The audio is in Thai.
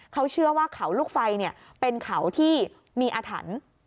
เขาเชื่อว่าเขาลูกไฟเป็นเขาที่มีอาถรรพ์